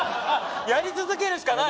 やり続けるしかない？